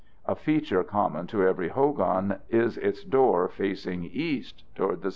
A feature common to every hogan is its door facing east, toward the sunrise.